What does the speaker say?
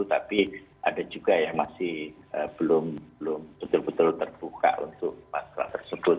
tapi ada juga yang masih belum betul betul terbuka untuk masalah tersebut